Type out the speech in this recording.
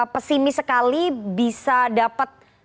pesimis sekali bisa dapat